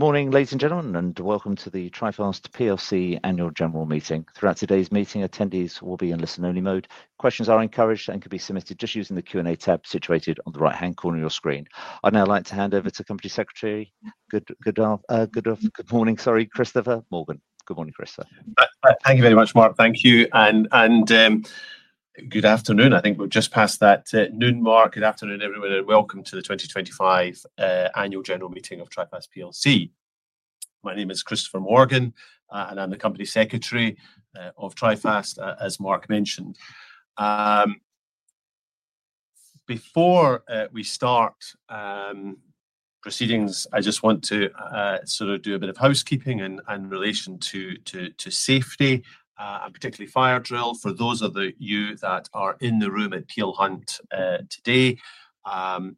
Morning, ladies and gentlemen, and welcome to the Trifast plc Aannual General Meeting. Throughout today's meeting, attendees will be in listen-only mode. Questions are encouraged and can be submitted just using the Q&A tab situated on the right-hand corner of your screen. I'd now like to hand over to the Company Secretary. Good morning, Christopher Morgan. Good morning, Christopher. Thank you very much, Mark. Thank you. Good afternoon. I think we've just passed that noon mark. Good afternoon, everyone, and welcome to the 2025 Annual General Meeting of Trifast plc. My name is Christopher Morgan, and I'm the Company Secretary of Trifast, as Mark mentioned. Before we start proceedings, I just want to do a bit of housekeeping in relation to safety and particularly fire drill. For those of you that are in the room at Peel Hunt today, there are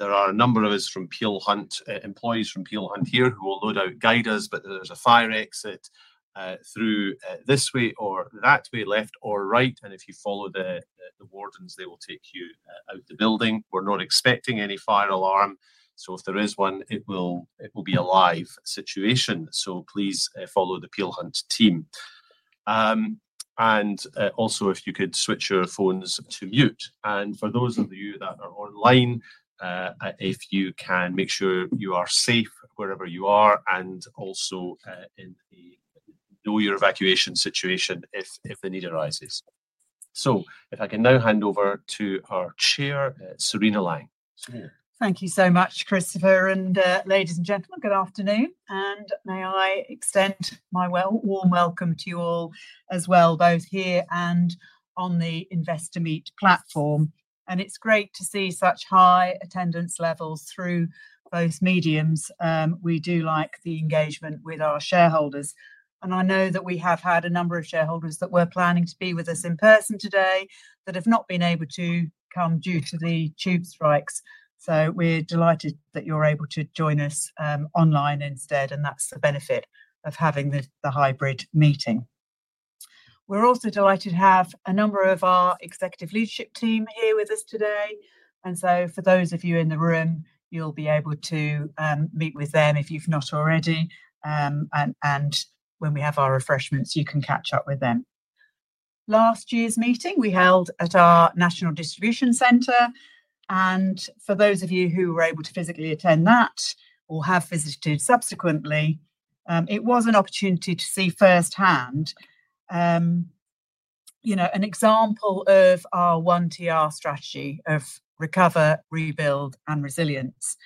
a number of us from Peel Hunt, employees from Peel Hunt here, who will guide us, but there's a fire exit through this way or that way, left or right. If you follow the wardens, they will take you out the building. We're not expecting any fire alarm. If there is one, it will be a live situation. Please follow the Peel Hunt team. Also, if you could switch your phones to mute. For those of you that are online, if you can make sure you are safe wherever you are and also know your evacuation situation if the need arises. If I can now hand over to our Chair, Serena Lang. Thank you so much, Christopher. Ladies and gentlemen, good afternoon. May I extend my warm welcome to you all as well, both here and on the Investor Meet platform. It's great to see such high attendance levels through both mediums. We do like the engagement with our shareholders. I know that we have had a number of shareholders that were planning to be with us in person today that have not been able to come due to the tube strikes. We're delighted that you're able to join us online instead, and that's the benefit of having the hybrid meeting. We're also delighted to have a number of our executive leadership team here with us today. For those of you in the room, you'll be able to meet with them if you've not already. When we have our refreshments, you can catch up with them. Last year's meeting we held at our National Distribution Center, and for those of you who were able to physically attend that or have visited subsequently, it was an opportunity to see firsthand an example of our OneTR strategy of recover, rebuild, and resilience.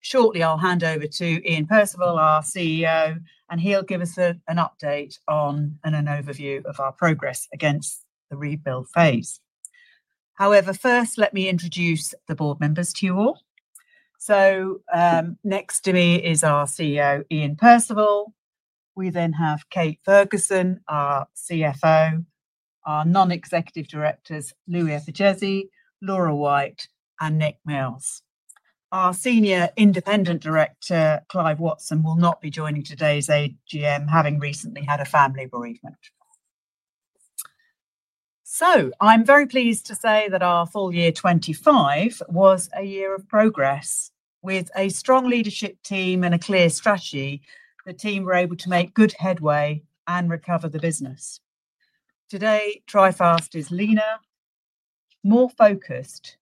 Shortly, I'll hand over to Iain Percival, our CEO, and he'll give us an update on an overview of our progress against the rebuild phase. However, first, let me introduce the board members to you all. Next to me is our CEO, Iain Percival. We then have Kate Ferguson, our CFO, our non-executive directors, Louis Eperjesi, Laura Whyte, and Nicholas Mills. Our Senior Independent Director, Clive Watson, will not be joining today's AGM, having recently had a family bereavement. I'm very pleased to say that our full year 2025 was a year of progress. With a strong leadership team and a clear strategy, the team were able to make good headway and recover the business. Today, Trifast is leaner, more focused,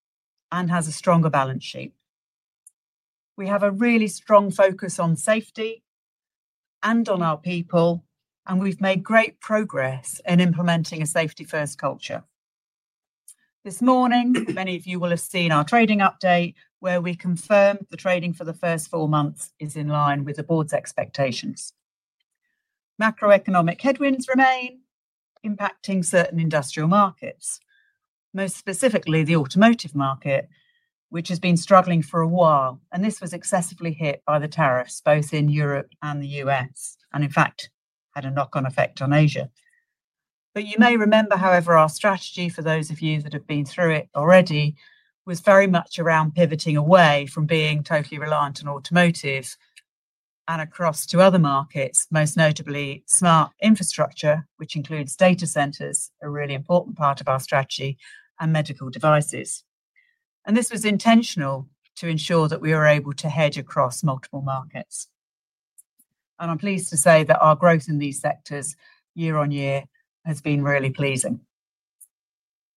and has a stronger balance sheet. We have a really strong focus on safety and on our people, and we've made great progress in implementing a safety-first culture. This morning, many of you will have seen our trading update where we confirmed the trading for the first four months is in line with the board's expectations. Macroeconomic headwinds remain impacting certain industrial markets, most specifically the automotive market, which has been struggling for a while, and this was excessively hit by the tariffs, both in Europe and the U.S., and in fact, had a knock-on effect on Asia. You may remember, however, our strategy for those of you that have been through it already was very much around pivoting away from being totally reliant on automotive and across to other markets, most notably smart infrastructure, which includes data centers, a really important part of our strategy, and medical devices. This was intentional to ensure that we were able to hedge across multiple markets. I'm pleased to say that our growth in these sectors year on year has been really pleasing.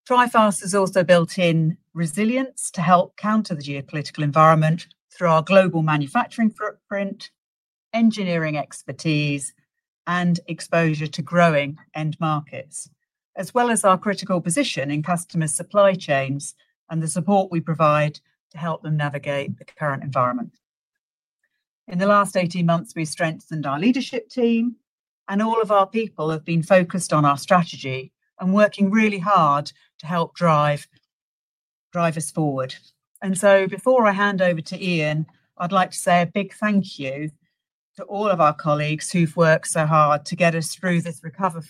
Trifast has also built in resilience to help counter the geopolitical environment through our global manufacturing footprint, engineering expertise, and exposure to growing end markets, as well as our critical position in customer supply chains and the support we provide to help them navigate the current environment. In the last 18 months, we strengthened our leadership team, and all of our people have been focused on our strategy and working really hard to help drive us forward. Before I hand over to Iain, I'd like to say a big thank you to all of our colleagues who've worked so hard to get us through this recovery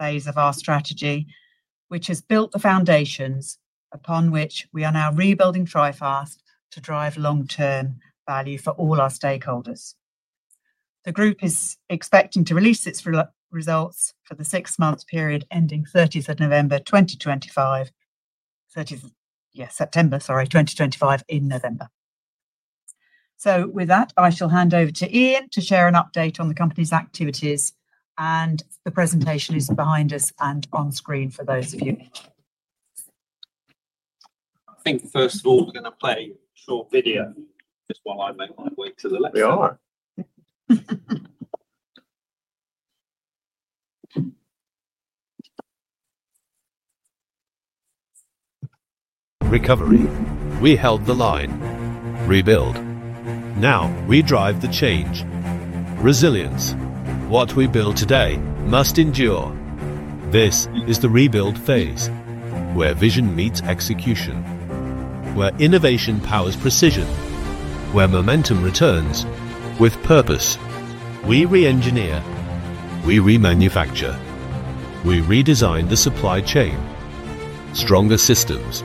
phase of our strategy, which has built the foundations upon which we are now rebuilding Trifast to drive long-term value for all our stakeholders. The group is expecting to release its results for the six-month period ending 30th of September 2025 in November. With that, I shall hand over to Iain to share an update on the company's activities, and the presentation is behind us and on screen for those of you who need it. I think first of all, we're going to play a short video. We are recovery. We held the line. Rebuild. Now we drive the change. Resilience. What we build today must endure. This is the rebuild phase, where vision meets execution, where innovation powers precision, where momentum returns with purpose. We re-engineer. We re-manufacture. We redesign the supply chain. Stronger systems,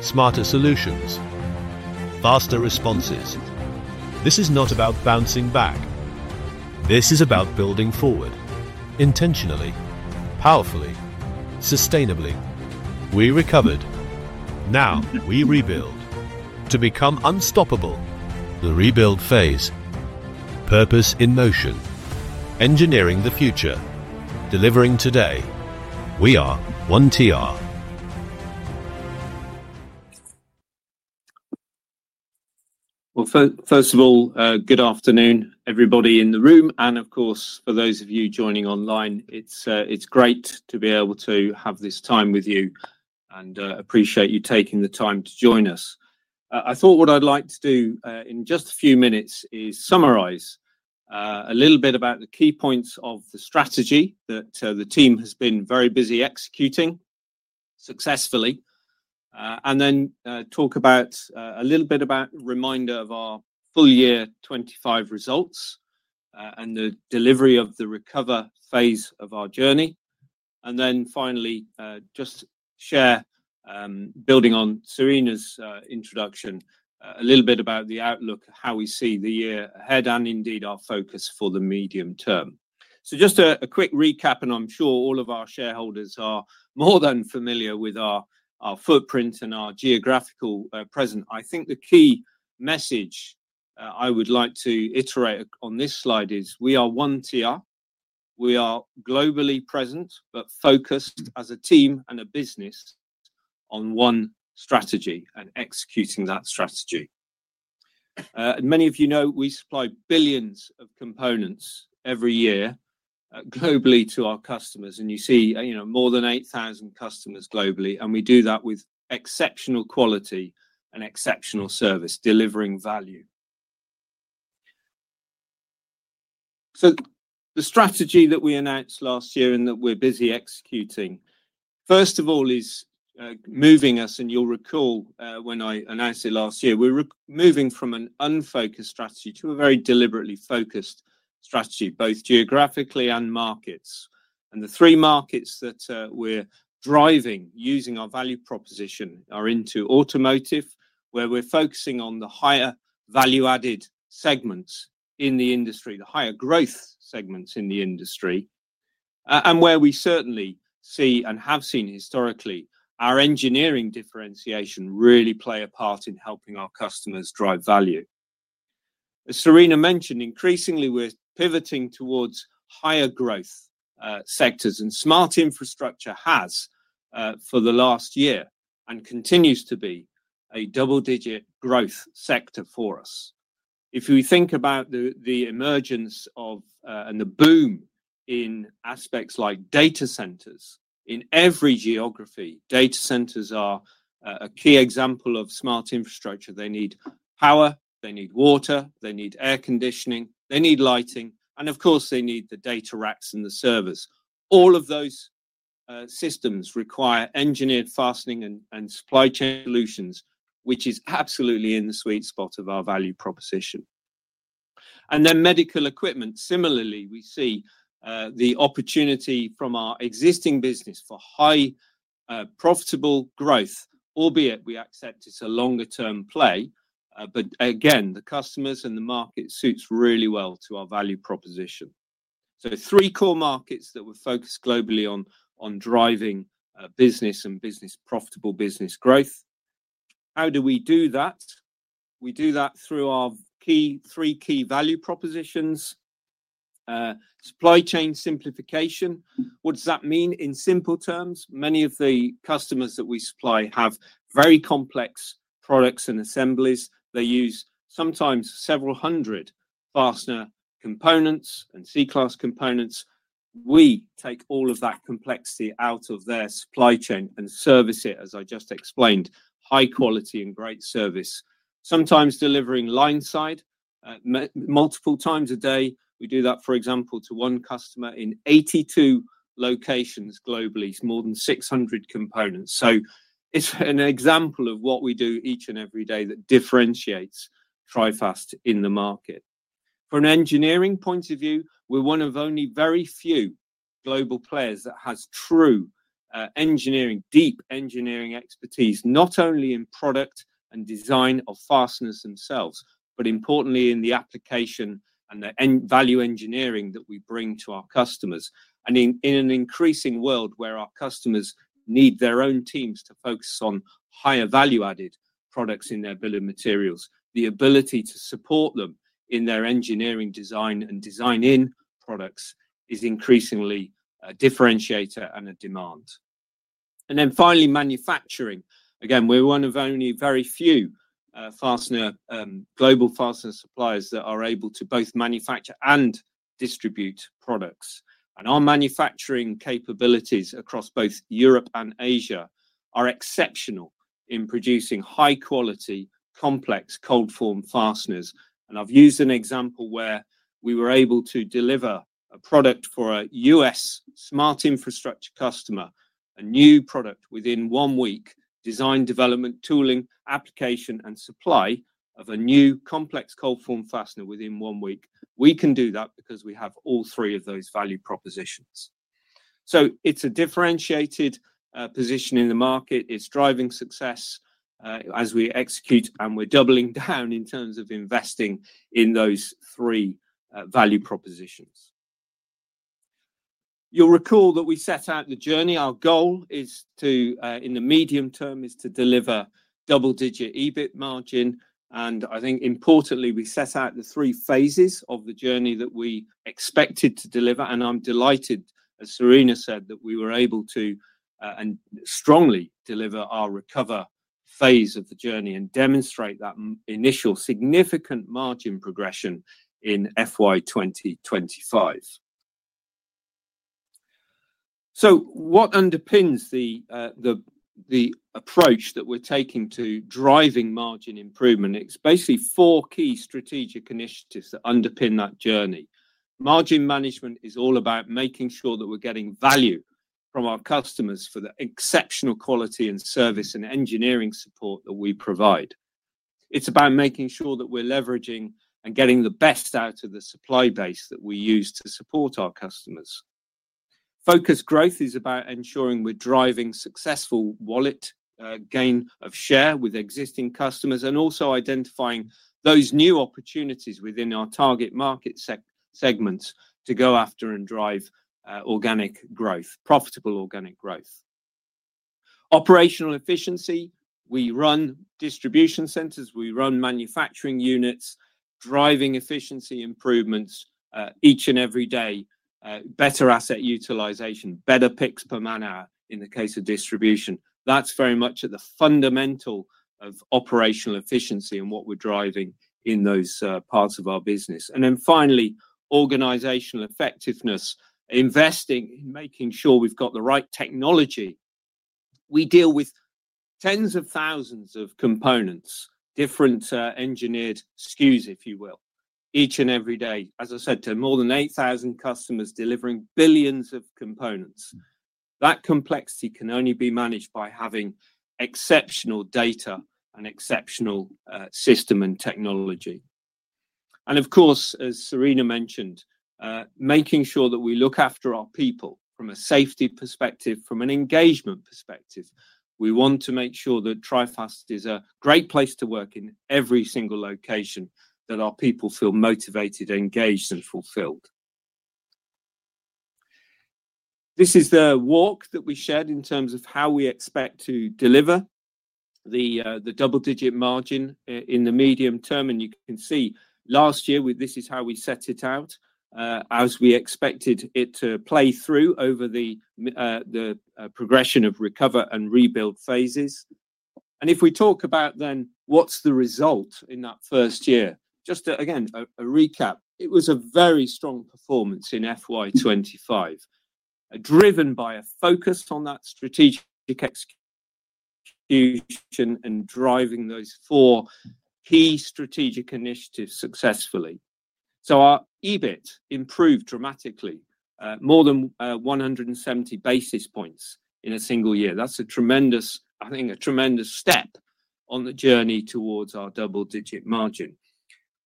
smarter solutions, faster responses. This is not about bouncing back. This is about building forward, intentionally, powerfully, sustainably. We recovered. Now we rebuild to become unstoppable. The rebuild phase, purpose in motion, engineering the future, delivering today. We are OneTR. Good afternoon, everybody in the room. Of course, for those of you joining online, it's great to be able to have this time with you and appreciate you taking the time to join us. I thought what I'd like to do in just a few minutes is summarize a little bit about the key points of the strategy that the team has been very busy executing successfully. Then talk a little bit about a reminder of our full year 2025 results and the delivery of the recover phase of our journey. Finally, just share, building on Serena's introduction, a little bit about the outlook, how we see the year ahead, and indeed our focus for the medium term. Just a quick recap, and I'm sure all of our shareholders are more than familiar with our footprint and our geographical presence. I think the key message I would like to iterate on this slide is we are OneTR. We are globally present, but focused as a team and a business on one strategy and executing that strategy. Many of you know we supply billions of components every year globally to our customers. You see more than 8,000 customers globally, and we do that with exceptional quality and exceptional service, delivering value. The strategy that we announced last year and that we're busy executing, first of all, is moving us, and you'll recall when I announced it last year, we're moving from an unfocused strategy to a very deliberately focused strategy, both geographically and in markets. The three markets that we're driving using our value proposition are into automotive, where we're focusing on the higher value-added segments in the industry, the higher growth segments in the industry, and where we certainly see and have seen historically our engineering differentiation really play a part in helping our customers drive value. As Serena mentioned, increasingly, we're pivoting towards higher growth sectors, and smart infrastructure has for the last year and continues to be a double-digit growth sector for us. If we think about the emergence of and the boom in aspects like data centers, in every geography, data centers are a key example of smart infrastructure. They need power, they need water, they need air conditioning, they need lighting, and of course, they need the data racks and the servers. All of those systems require engineered fastening and supply chain solutions, which is absolutely in the sweet spot of our value proposition. Then medical equipment. Similarly, we see the opportunity from our existing business for high profitable growth, albeit we accept it's a longer-term play. The customers and the market suit really well to our value proposition. Three core markets that we're focused globally on driving business and profitable business growth. How do we do that? We do that through our three key value propositions. Supply chain simplification. What does that mean in simple terms? Many of the customers that we supply have very complex products and assemblies. They use sometimes several hundred fastener components and C-class components. We take all of that complexity out of their supply chain and service it, as I just explained, high quality and great service. Sometimes delivering line-side, multiple times a day. We do that, for example, to one customer in 82 locations globally. It's more than 600 components. It's an example of what we do each and every day that differentiates Trifast in the market. From an engineering point of view, we're one of only very few global players that has true engineering, deep engineering expertise, not only in product and design of fasteners themselves, but importantly in the application and the value engineering that we bring to our customers. In an increasing world where our customers need their own teams to focus on higher value-added products in their bill of materials, the ability to support them in their engineering design and design in products is increasingly a differentiator and a demand. Finally, manufacturing. We're one of only very few global fastener suppliers that are able to both manufacture and distribute products. Our manufacturing capabilities across both Europe and Asia are exceptional in producing high quality, complex cold form fasteners. I've used an example where we were able to deliver a product for a U.S. smart infrastructure customer, a new product within one week, design, development, tooling, application, and supply of a new complex cold form fastener within one week. We can do that because we have all three of those value propositions. It's a differentiated position in the market. It's driving success as we execute, and we're doubling down in terms of investing in those three value propositions. You'll recall that we set out the journey. Our goal in the medium term is to deliver double-digit EBIT margin. I think importantly, we set out the three phases of the journey that we expected to deliver. I'm delighted, as Serena said, that we were able to and strongly deliver our recover phase of the journey and demonstrate that initial significant margin progression in FY 2025. What underpins the approach that we're taking to driving margin improvement? It's basically four key strategic initiatives that underpin that journey. Margin management is all about making sure that we're getting value from our customers for the exceptional quality and service and engineering support that we provide. It's about making sure that we're leveraging and getting the best out of the supply base that we use to support our customers. Focused growth is about ensuring we're driving successful wallet gain of share with existing customers and also identifying those new opportunities within our target market segments to go after and drive organic growth, profitable organic growth. Operational efficiency. We run distribution centers. We run manufacturing units, driving efficiency improvements each and every day, better asset utilization, better picks per man hour in the case of distribution. That's very much at the fundamental of operational efficiency and what we're driving in those parts of our business. Finally, organizational effectiveness, investing in making sure we've got the right technology. We deal with tens of thousands of components, different engineered SKUs, if you will, each and every day. As I said, to more than 8,000 customers delivering billions of components. That complexity can only be managed by having exceptional data and exceptional system and technology. Of course, as Serena mentioned, making sure that we look after our people from a safety perspective, from an engagement perspective. We want to make sure that Trifast is a great place to work in every single location, that our people feel motivated, engaged, and fulfilled. This is the walk that we shared in terms of how we expect to deliver the double-digit margin in the medium term. You can see last year, this is how we set it out as we expected it to play through over the progression of recover and rebuild phases. If we talk about then what's the result in that first year, just again, a recap. It was a very strong performance in FY 2025, driven by a focus on that strategic execution and driving those four key strategic initiatives successfully. Our EBIT improved dramatically, more than 170 basis points in a single year. That's a tremendous, I think, a tremendous step on the journey towards our double-digit margin.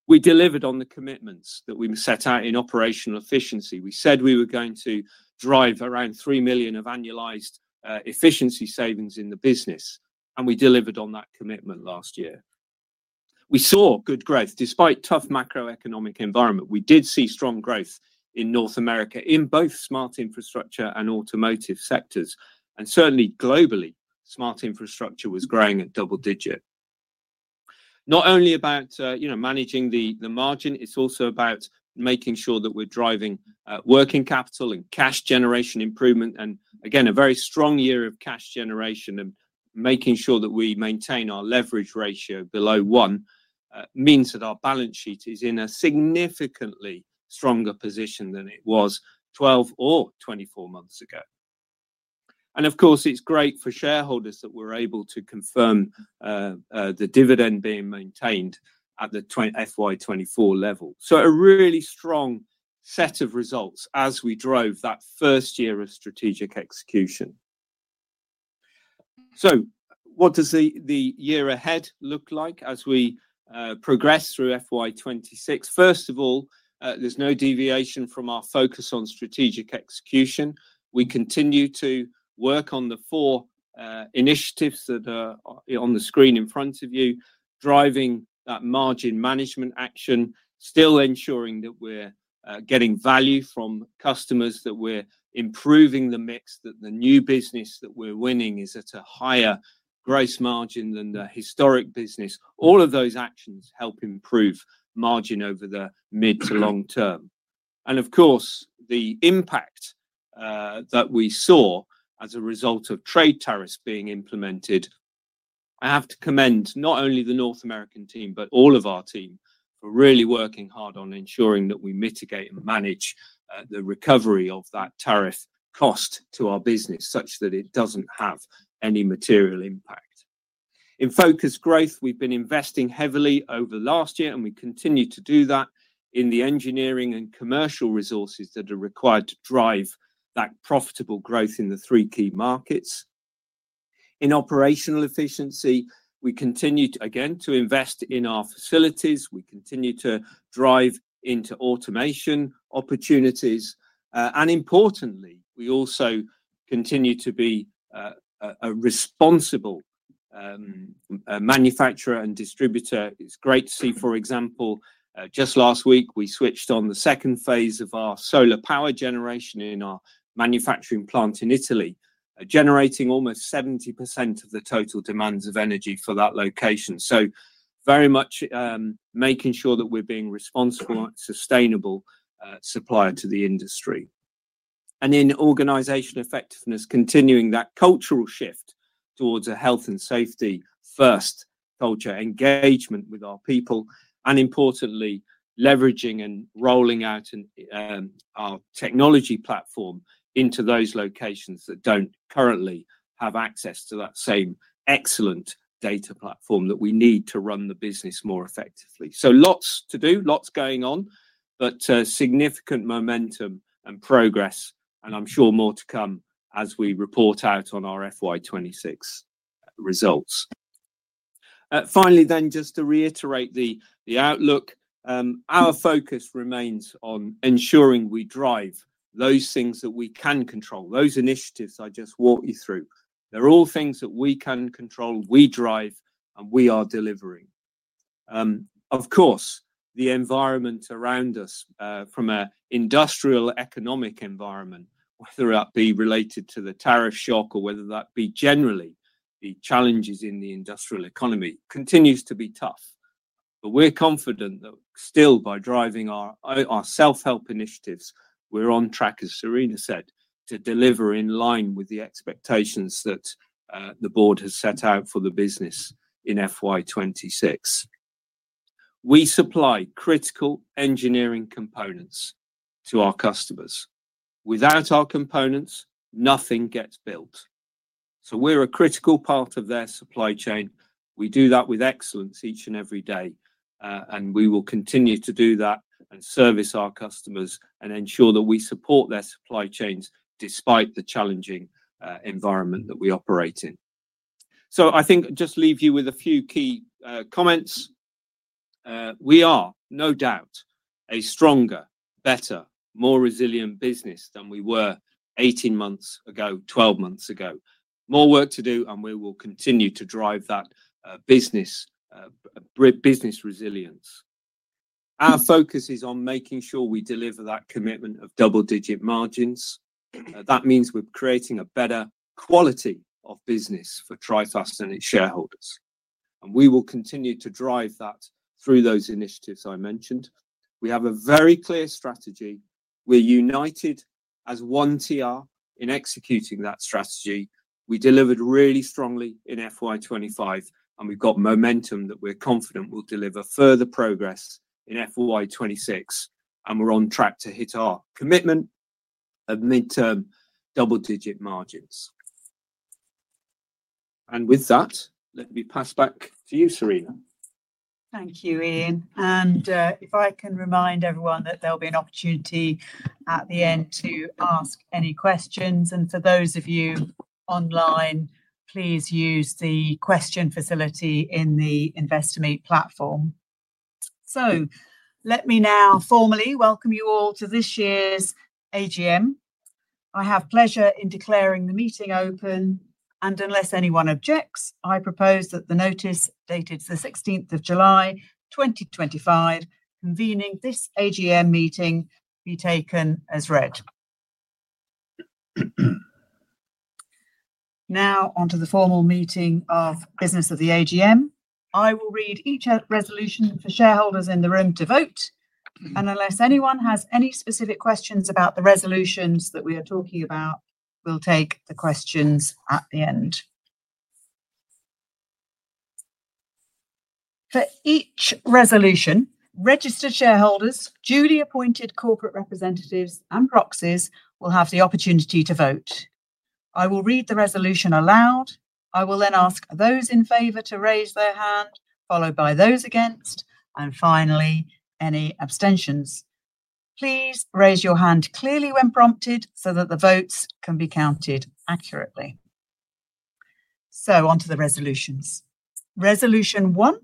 We delivered on the commitments that we set out in operational efficiency. We said we were going to drive around 3 million of annualized efficiency savings in the business, and we delivered on that commitment last year. We saw good growth despite a tough macroeconomic environment. We did see strong growth in North America in both smart infrastructure and automotive sectors. Certainly globally, smart infrastructure was growing at double digits. It's not only about managing the margin, it's also about making sure that we're driving working capital and cash generation improvement. Again, a very strong year of cash generation and making sure that we maintain our leverage ratio below one means that our balance sheet is in a significantly stronger position than it was 12 or 24 months ago. Of course, it's great for shareholders that we're able to confirm the dividend being maintained at the FY 2024 level. A really strong set of results as we drove that first year of strategic execution. What does the year ahead look like as we progress through FY 2026? First of all, there's no deviation from our focus on strategic execution. We continue to work on the four initiatives that are on the screen in front of you, driving that margin management action, still ensuring that we're getting value from customers, that we're improving the mix, that the new business that we're winning is at a higher gross margin than the historic business. All of those actions help improve margin over the mid to long term. The impact that we saw as a result of trade tariffs being implemented, I have to commend not only the North American team, but all of our team for really working hard on ensuring that we mitigate and manage the recovery of that tariff cost to our business such that it doesn't have any material impact. In focused growth, we've been investing heavily over the last year, and we continue to do that in the engineering and commercial resources that are required to drive that profitable growth in the three key markets. In operational efficiency, we continue to, again, invest in our facilities. We continue to drive into automation opportunities. Importantly, we also continue to be a responsible manufacturer and distributor. It's great to see, for example, just last week, we switched on the second phase of our solar power generation in our manufacturing plant in Italy, generating almost 70% of the total demands of energy for that location. Very much making sure that we're being a responsible, sustainable supplier to the industry. In organizational effectiveness, continuing that cultural shift towards a health and safety-first culture, engagement with our people, and importantly, leveraging and rolling out our technology platform into those locations that don't currently have access to that same excellent data platform that we need to run the business more effectively. Lots to do, lots going on, but significant momentum and progress, and I'm sure more to come as we report out on our FY 2026 results. Finally, just to reiterate the outlook, our focus remains on ensuring we drive those things that we can control, those initiatives I just walked you through. They're all things that we can control, we drive, and we are delivering. Of course, the environment around us from an industrial economic environment, whether that be related to the tariff shock or whether that be generally the challenges in the industrial economy, continues to be tough. We're confident that still by driving our self-help initiatives, we're on track, as Serena said, to deliver in line with the expectations that the board has set out for the business in FY 2026. We supply critical engineering components to our customers. Without our components, nothing gets built. We're a critical part of their supply chain. We do that with excellence each and every day, and we will continue to do that and service our customers and ensure that we support their supply chains despite the challenging environment that we operate in. I think I'll just leave you with a few key comments. We are, no doubt, a stronger, better, more resilient business than we were 18 months ago, 12 months ago. More work to do, and we will continue to drive that business resilience. Our focus is on making sure we deliver that commitment of double-digit margins. That means we're creating a better quality of business for Trifast and its shareholders. We will continue to drive that through those initiatives I mentioned. We have a very clear strategy. We're united as OneTR in executing that strategy. We delivered really strongly in FY 2025, and we've got momentum that we're confident will deliver further progress in FY 2026. We're on track to hit our commitment of mid-term double-digit margins. With that, let me pass back to you, Serena. Thank you, Iain. If I can remind everyone that there'll be an opportunity at the end to ask any questions. For those of you online, please use the question facility in the Investor Meet platform. Let me now formally welcome you all to this year's AGM. I have pleasure in declaring the meeting open. Unless anyone objects, I propose that the notice dated the 16th of July 2025, convening this AGM meeting, be taken as read. Now on to the formal meeting of business of the AGM. I will read each resolution for shareholders in the room to vote. Unless anyone has any specific questions about the resolutions that we are talking about, we'll take the questions at the end. For each resolution, registered shareholders, duly-appointed corporate representatives, and proxies will have the opportunity to vote. I will read the resolution aloud. I will then ask those in favor to raise their hand, followed by those against, and finally, any abstentions. Please raise your hand clearly when prompted so that the votes can be counted accurately. On to the resolutions. Resolution one,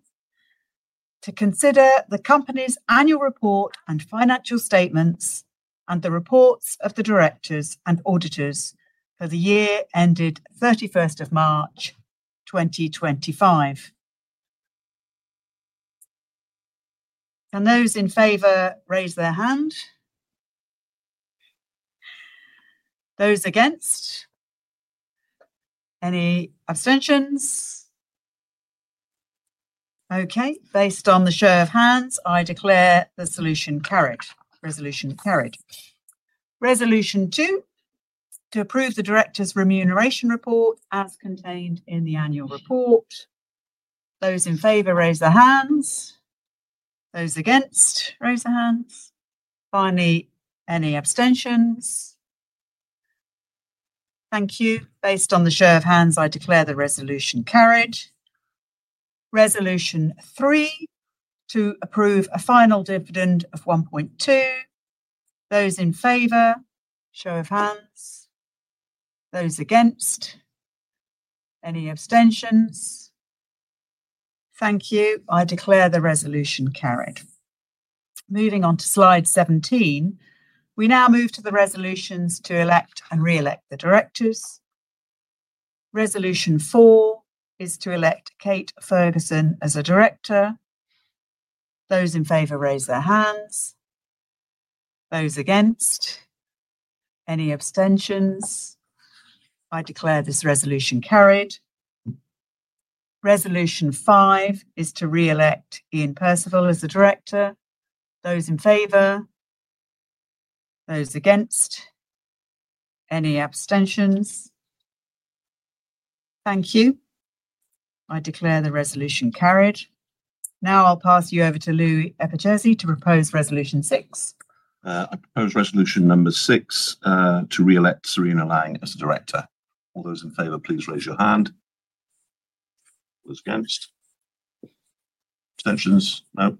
to consider the company's annual report and financial statements and the reports of the directors and auditors for the year ended 31st of March 2025. Can those in favor raise their hand? Those against? Any abstentions? Okay. Based on the show of hands, I declare the resolution carried. Resolution carried. Resolution two, to approve the directors' remuneration report as contained in the annual report. Those in favor raise their hands. Those against, raise their hands. Finally, any abstentions? Thank you. Based on the show of hands, I declare the resolution carried. Resolution three, to approve a final dividend of 1.2. Those in favor, show of hands. Those against, any abstentions? Thank you. I declare the resolution carried. Moving on to slide 17, we now move to the resolutions to elect and re-elect the directors. Resolution four is to elect Kate Ferguson as a director. Those in favor raise their hands. Those against, any abstentions? I declare this resolution carried. Resolution five is to re-elect Iain Percival as a director. Those in favor? Those against? Any abstentions? Thank you. I declare the resolution carried. Now I'll pass you over to Louis Eperjesi to propose resolution six. I propose resolution number six to re-elect Serena Lang as a director. All those in favor, please raise your hand. Those against? Abstentions? No.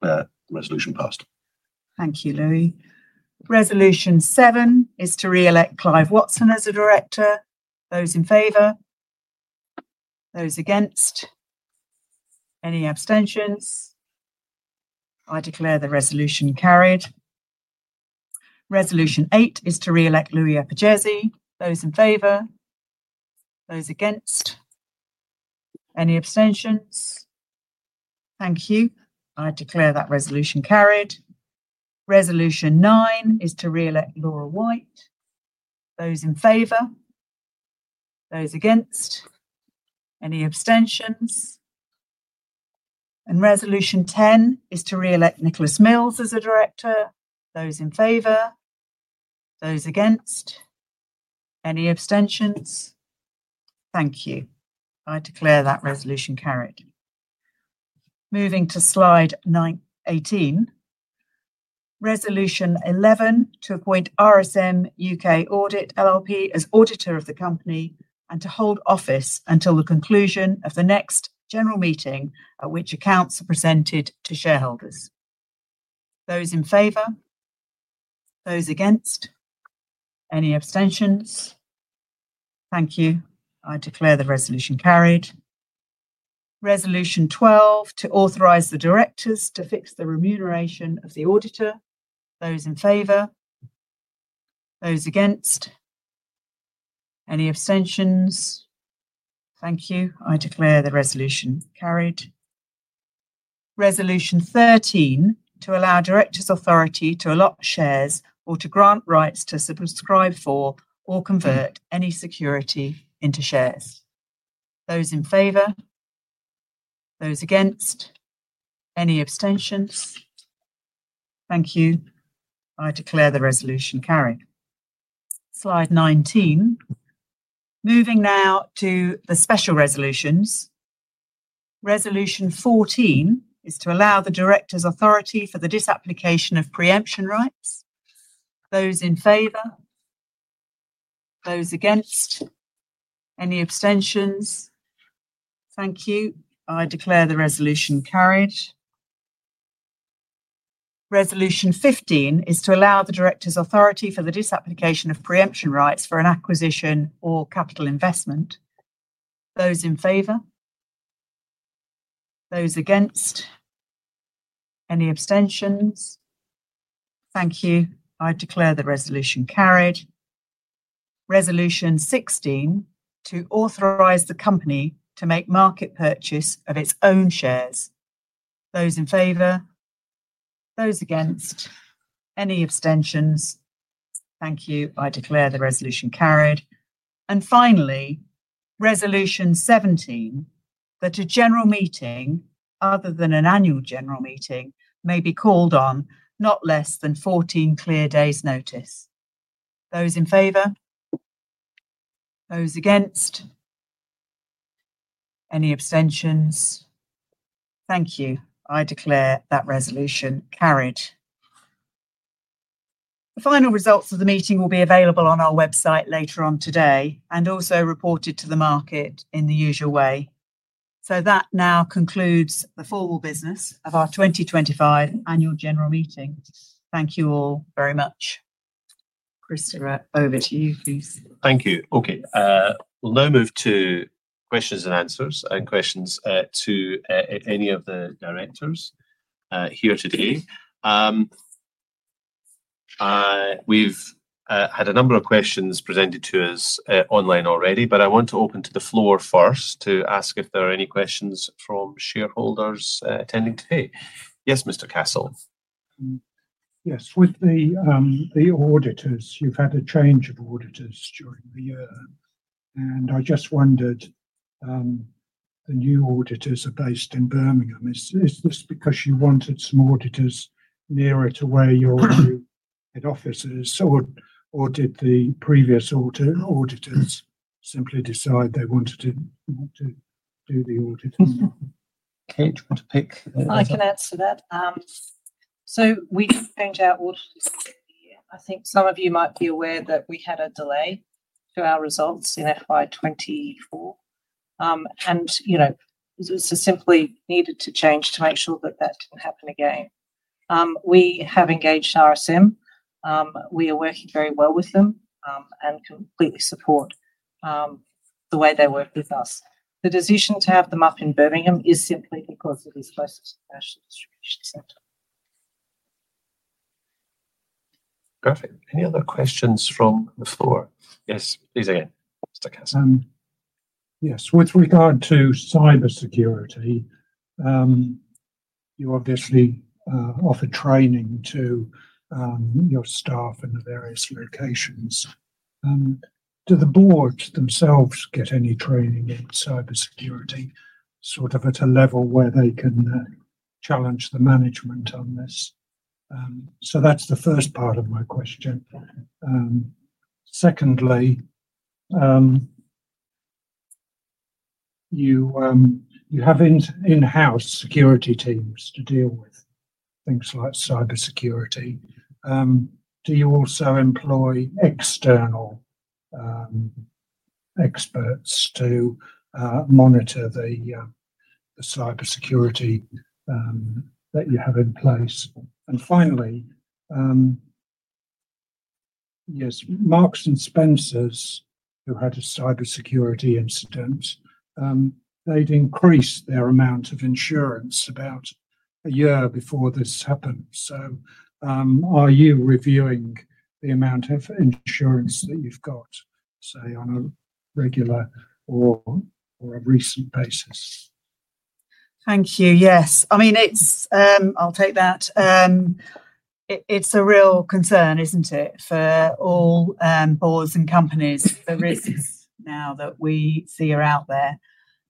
The resolution passed. Thank you, Louis. Resolution seven is to re-elect Clive Watson as a director. Those in favor? Those against? Any abstentions? I declare the resolution carried. Resolution eight is to re-elect Louis Eperjesi. Those in favor? Those against? Any abstentions? Thank you. I declare that resolution carried. Resolution nine is to re-elect Laura Whyte. Those in favor? Those against? Any abstentions? Resolution ten is to re-elect Nicholas Mills as a director. Those in favor? Those against? Any abstentions? Thank you. I declare that resolution carried. Moving to slide 18, resolution 11 to appoint RSM UK Audit LLP as auditor of the company and to hold office until the conclusion of the next general meeting at which accounts are presented to shareholders. Those in favor? Those against? Any abstentions? Thank you. I declare the resolution carried. Resolution 12 to authorize the directors to fix the remuneration of the auditor. Those in favor? Those against? Any abstentions? Thank you. I declare the resolution carried. Resolution 13 to allow directors' authority to allot shares or to grant rights to subscribe for or convert any security into shares. Those in favor? Those against? Any abstentions? Thank you. I declare the resolution carried. Slide 19. Moving now to the special resolutions. Resolution 14 is to allow the directors' authority for the disapplication of preemption rights. Those in favor? Those against? Any abstentions? Thank you. I declare the resolution carried. Resolution 15 is to allow the directors' authority for the disapplication of preemption rights for an acquisition or capital investment. Those in favor? Those against? Any abstentions? Thank you. I declare the resolution carried. Resolution 16 to authorize the company to make market purchase of its own shares. Those in favor? Those against? Any abstentions? Thank you. I declare the resolution carried. Finally, resolution 17, that a general meeting, other than an annual general meeting, may be called on not less than 14 clear days' notice. Those in favor? Those against? Any abstentions? Thank you. I declare that resolution carried. The final results of the meeting will be available on our website later on today and also reported to the market in the usual way. That now concludes the formal business of our 2025 annual general meeting. Thank you all very much. Christopher, over to you, please. Thank you. Okay. We'll now move to questions and answers and questions to any of the directors here today. We've had a number of questions presented to us online already, but I want to open to the floor first to ask if there are any questions from shareholders attending today. Yes, Mr. Kessel. Yes. With the auditors, you've had a change of auditors during the year. I just wondered, the new auditors are based in Birmingham. Is this because you wanted some auditors nearer to where your office is? Did the previous auditors simply decide they wanted to do the audit? I can answer that. We found out, I think some of you might be aware that we had a delay to our results in FY 2024. This has simply needed to change to make sure that that didn't happen again. We have engaged RSM. We are working very well with them and completely support the way they work with us. The decision to have them up in Birmingham is simply because it is closest to the National Distribution Center. Perfect. Any other questions from the floor? Yes, please again, Mr. Kessel. Yes. With regard to cybersecurity, you obviously offer training to your staff in the various locations. Do the board themselves get any training in cybersecurity at a level where they can challenge the management on this? That's the first part of my question. Secondly, you have in-house security teams to deal with things like cybersecurity. Do you also employ external experts to monitor the cybersecurity that you have in place? Finally, Marks and Spencer, who had a cybersecurity incident, increased their amount of insurance about a year before this happened. Are you reviewing the amount of insurance that you've got, say, on a regular or a recent basis? Thank you. Yes. I mean, I'll take that. It's a real concern, isn't it, for all boards and companies, the risks now that we see are out there.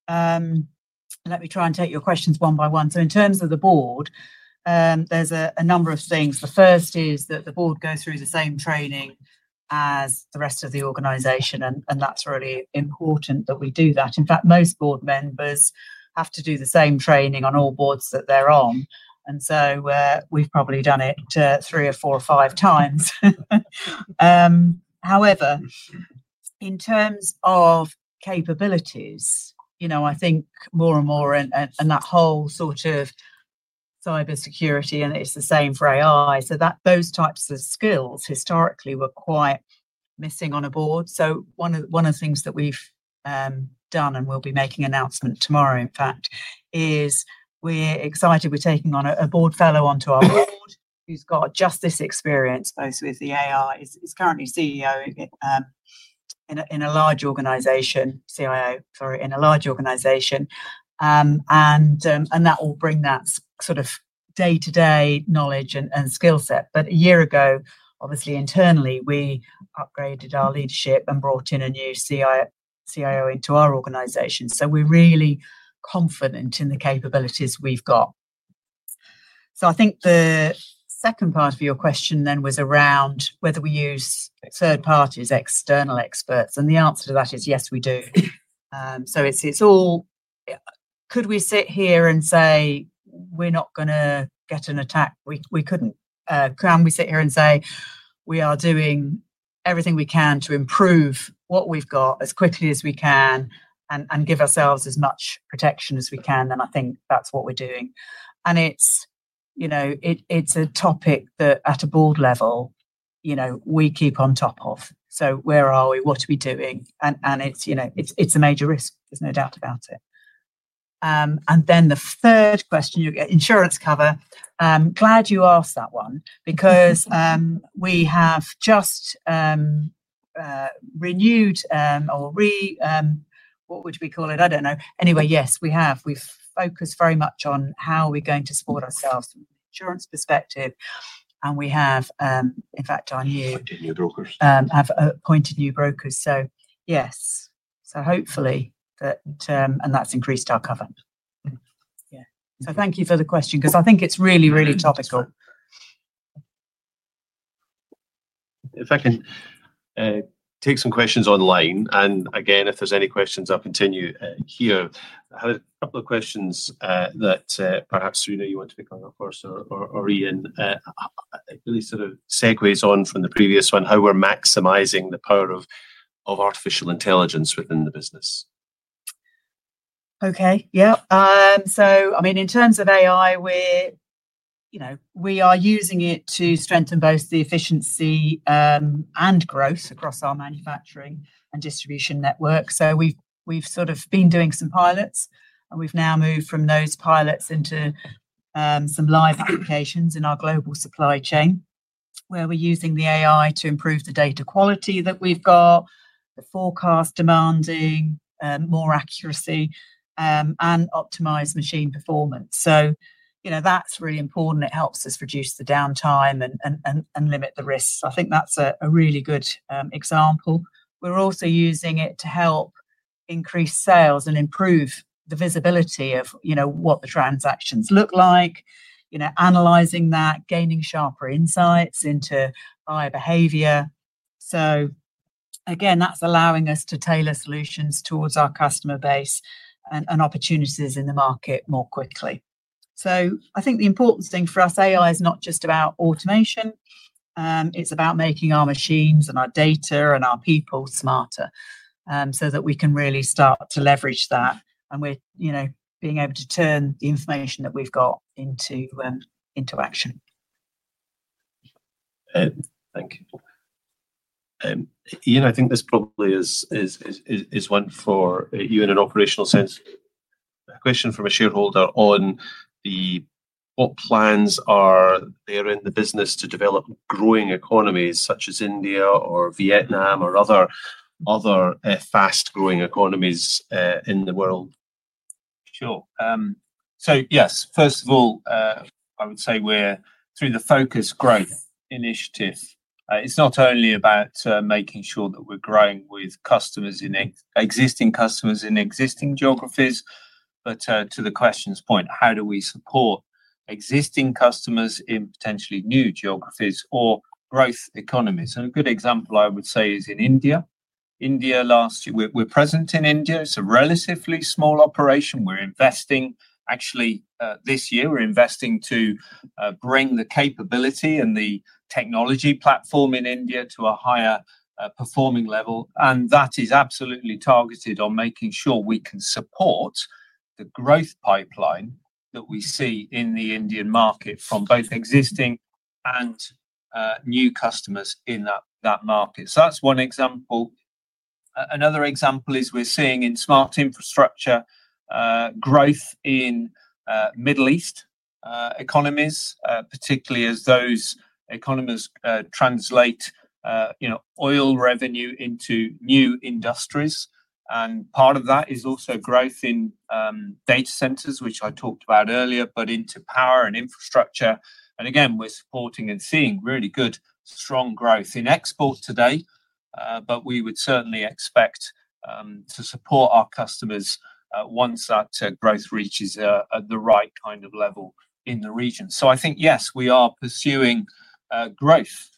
Let me try and take your questions one by one. In terms of the board, there's a number of things. The first is that the board goes through the same training as the rest of the organization, and that's really important that we do that. In fact, most board members have to do the same training on all boards that they're on. We've probably done it three or four or five times. However, in terms of capabilities, I think more and more and that whole sort of cybersecurity, and it's the same for AI. Those types of skills historically were quite missing on a board. One of the things that we've done, and we'll be making an announcement tomorrow, in fact, is we're excited. We're taking on a board fellow onto our board who's got just this experience, basically, is the AI. He's currently CIO in a large organization. That will bring that sort of day-to-day knowledge and skill set. A year ago, obviously, internally, we upgraded our leadership and brought in a new CIO into our organization. We're really confident in the capabilities we've got. I think the second part of your question then was around whether we use third parties, external experts. The answer to that is yes, we do. Could we sit here and say we're not going to get an attack? We couldn't. Can we sit here and say we are doing everything we can to improve what we've got as quickly as we can and give ourselves as much protection as we can? I think that's what we're doing. It's a topic that at a board level, we keep on top of. Where are we? What are we doing? It's a major risk. There's no doubt about it. The third question, you get insurance cover. Glad you asked that one because we have just renewed or re, what would we call it? I don't know. Anyway, yes, we have. We've focused very much on how we're going to support ourselves from an insurance perspective. We have, in fact, I've appointed new brokers. Yes. Hopefully, that and that's increased our cover. Yeah. Thank you for the question because I think it's really, really topical. If I can take some questions online, and again, if there's any questions, I'll continue here. I had a couple of questions that perhaps Serena, you want to pick on, of course, or Iain. It really sort of segues on from the previous one, how we're maximizing the power of artificial intelligence within the business. Okay. Yeah. In terms of AI, we're using it to strengthen both the efficiency and growth across our manufacturing and distribution network. We've been doing some pilots, and we've now moved from those pilots into some live applications in our global supply chain where we're using the AI to improve the data quality that we've got, the forecast demanding more accuracy, and optimize machine performance. That's really important. It helps us reduce the downtime and limit the risks. I think that's a really good example. We're also using it to help increase sales and improve the visibility of what the transactions look like, analyzing that, gaining sharper insights into buyer behavior. Again, that's allowing us to tailor solutions towards our customer base and opportunities in the market more quickly. I think the important thing for us, AI is not just about automation. It's about making our machines and our data and our people smarter so that we can really start to leverage that. We're being able to turn the information that we've got into action. Thank you. Iain, I think this probably is one for you in an operational sense. A question from a shareholder on what plans are there in the business to develop growing economies such as India or Vietnam or other fast-growing economies in the world. Sure. Yes, first of all, I would say we're through the focused growth initiative. It's not only about making sure that we're growing with customers in existing customers in existing geographies, but to the question's point, how do we support existing customers in potentially new geographies or growth economies? A good example, I would say, is in India. We're present in India. It's a relatively small operation. We're investing, actually, this year, we're investing to bring the capability and the technology platform in India to a higher performing level. That is absolutely targeted on making sure we can support the growth pipeline that we see in the Indian market from both existing and new customers in that market. That's one example. Another example is we're seeing in smart infrastructure growth in Middle East economies, particularly as those economies translate oil revenue into new industries. Part of that is also growth in data centers, which I talked about earlier, but into power and infrastructure. Again, we're supporting and seeing really good, strong growth in export today, but we would certainly expect to support our customers once that growth reaches the right kind of level in the region. I think, yes, we are pursuing growth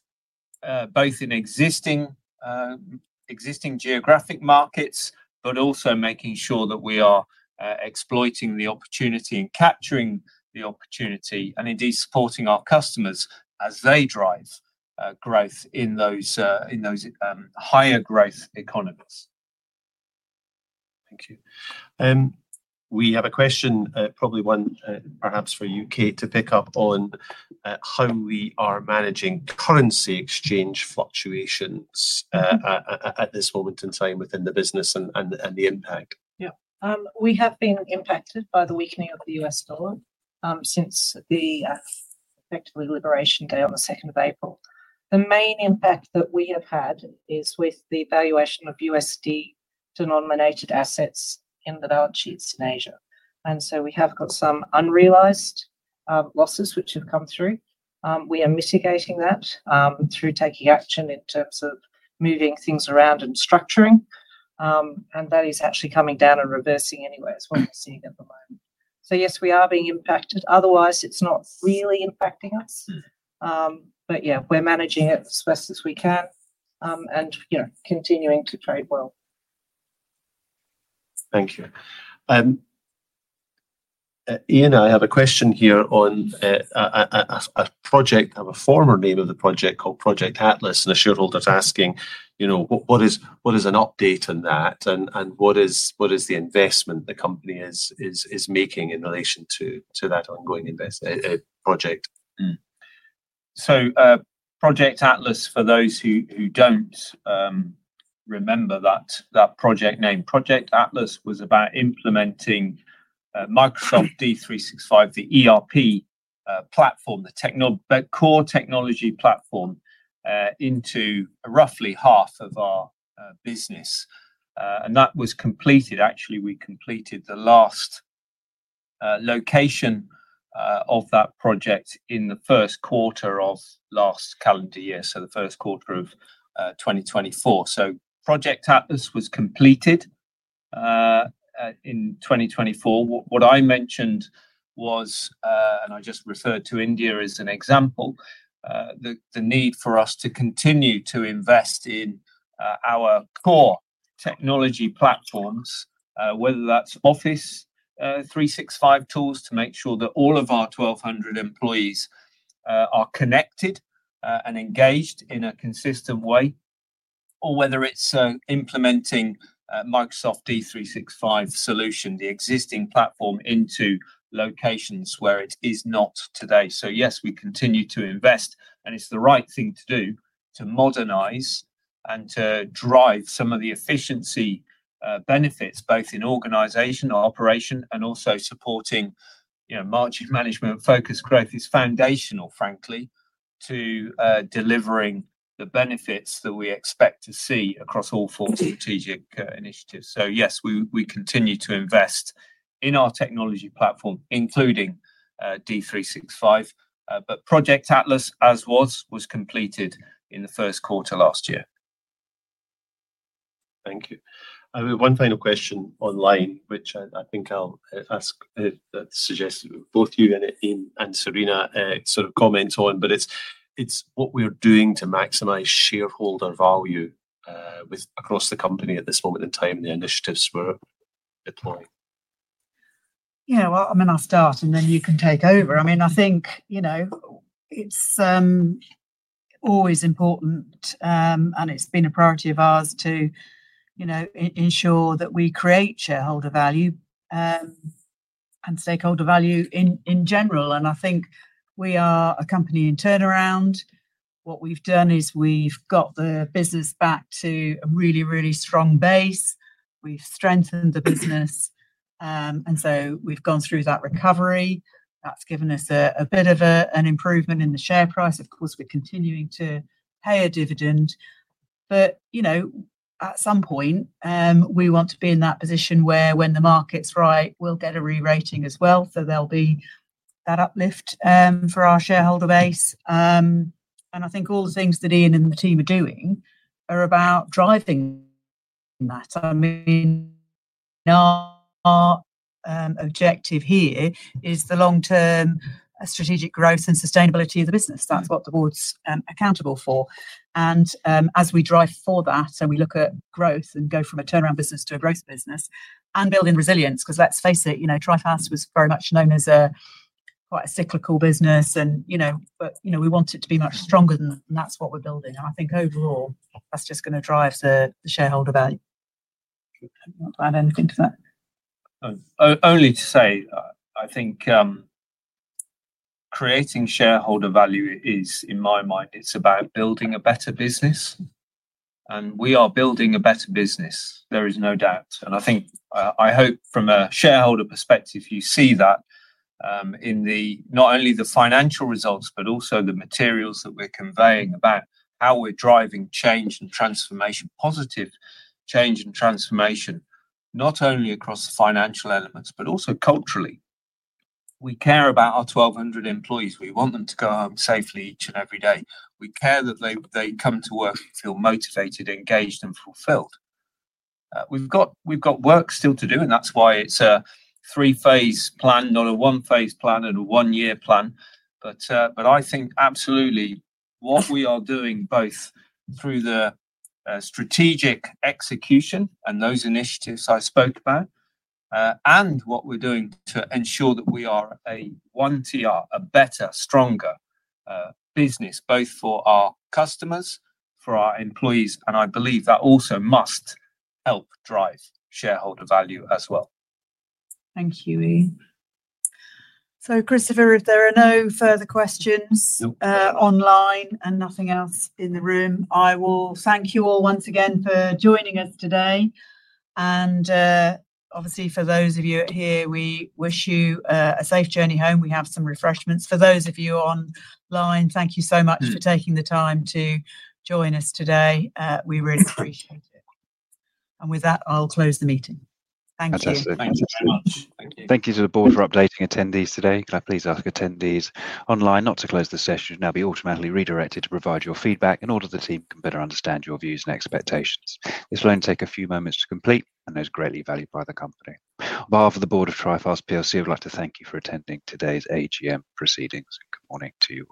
both in existing geographic markets, but also making sure that we are exploiting the opportunity and capturing the opportunity and indeed supporting our customers as they drive growth in those higher growth economies. Thank you. We have a question, probably one perhaps for you, Kate, to pick up on how we are managing currency exchange fluctuations at this moment in time within the business and the impact. Yeah. We have been impacted by the weakening of the U.S. dollar since the effectively Liberation Day on the 2nd of April. The main impact that we have had is with the valuation of USD-denominated assets in the dollar sheets in Asia. We have got some unrealized losses which have come through. We are mitigating that through taking action in terms of moving things around and structuring. That is actually coming down and reversing anyway as well as we're seeing at the moment. Yes, we are being impacted. Otherwise, it's not really impacting us. We're managing it as best as we can and continuing to trade well. Thank you. Iain, I have a question here on a project, a former name of the project called Project Atlas, and a shareholder is asking, you know, what is an update in that and what is the investment the company is making in relation to that ongoing project? Project Atlas, for those who don't remember that project name, was about implementing Microsoft D365, the ERP platform, the core technology platform into roughly half of our business. That was completed. Actually, we completed the last location of that project in the first quarter of last calendar year, so the first quarter of 2024. Project Atlas was completed in 2024. What I mentioned was, and I just referred to India as an example, the need for us to continue to invest in our core technology platforms, whether that's Office 365 tools to make sure that all of our 1,200 employees are connected and engaged in a consistent way, or whether it's implementing Microsoft D365 solution, the existing platform into locations where it is not today. Yes, we continue to invest, and it's the right thing to do to modernize and to drive some of the efficiency benefits, both in organizational operation and also supporting margin management. Focused growth is foundational, frankly, to delivering the benefits that we expect to see across all four strategic initiatives. Yes, we continue to invest in our technology platform, including D365. Project Atlas, as was, was completed in the first quarter last year. Thank you. I have one final question online, which I think I'll ask that suggests both you and Serena sort of comment on, but it's what we're doing to maximize shareholder value across the company at this moment in time and the initiatives we're deploying. I mean, I'll start and then you can take over. I think it's always important, and it's been a priority of ours to ensure that we create shareholder value and stakeholder value in general. I think we are a company in turnaround. What we've done is we've got the business back to a really, really strong base. We've strengthened the business, and we've gone through that recovery. That's given us a bit of an improvement in the share price. Of course, we're continuing to pay a dividend. At some point, we want to be in that position where when the market's right, we'll get a re-rating as well. There'll be that uplift for our shareholder base. I think all the things that Iain and the team are doing are about driving that. Our objective here is the long-term strategic growth and sustainability of the business. That's what the board's accountable for. As we drive for that and we look at growth and go from a turnaround business to a growth business and building resilience, because let's face it, Trifast was very much known as quite a cyclical business, we want it to be much stronger than that. That's what we're building. I think overall, that's just going to drive the shareholder value. I don't think that. Only to say, I think creating shareholder value is, in my mind, it's about building a better business. We are building a better business. There is no doubt. I hope from a shareholder perspective, you see that in not only the financial results, but also the materials that we're conveying about how we're driving change and transformation, positive change and transformation, not only across the financial elements, but also culturally. We care about our 1,200 employees. We want them to go home safely each and every day. We care that they come to work and feel motivated, engaged, and fulfilled. We've got work still to do, and that's why it's a three-phase plan, not a one-phase plan and a one-year plan. I think absolutely what we are doing, both through the strategic execution and those initiatives I spoke about, and what we're doing to ensure that we are a OneTR, a better, stronger business, both for our customers, for our employees. I believe that also must help drive shareholder value as well. Thank you, Iain. Christopher, if there are no further questions online and nothing else in the room, I will thank you all once again for joining us today. For those of you here, we wish you a safe journey home. We have some refreshments. For those of you online, thank you so much for taking the time to join us today. We really appreciate it. With that, I'll close the meeting. Thank you. Thank you to the board for updating attendees today. Can I please ask attendees online not to close the session? You'll now be automatically redirected to provide your feedback in order for the team to better understand your views and expectations. This will only take a few moments to complete and is greatly valued by the company. On behalf of the board of Trifast plc, I would like to thank you for attending today's AGM proceedings. Good morning to you.